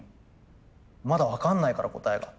まだ分かんないから答えが。